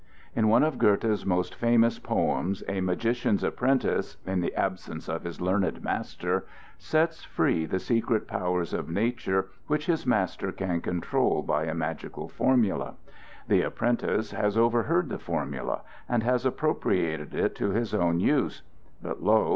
In one of Goethe's most famous poems a magician's apprentice, in the absence of his learned master, sets free the secret powers of nature which his master can control by a magical formula. The apprentice has overheard the formula, and has appropriated it to his own use; but lo!